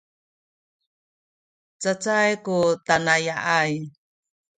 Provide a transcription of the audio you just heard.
cacay ku tanaya’ay